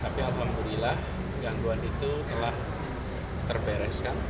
tapi alhamdulillah gangguan itu telah terbereskan